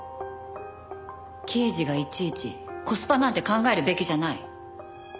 刑事がいちいちコスパなんて考えるべきじゃない。